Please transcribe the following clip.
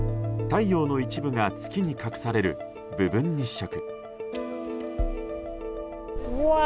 太陽の一部が月に隠される部分日食。